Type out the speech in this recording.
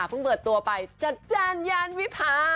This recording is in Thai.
เพิ่งเปิดตัวไปจัดจานยานวิภา